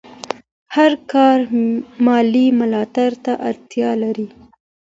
هر کار مالي ملاتړ ته اړتیا لري.